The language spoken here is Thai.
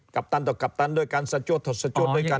กัปตันต่อกัปตันด้วยกันสจดต่อสจดด้วยกัน